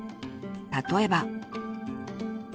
例えば。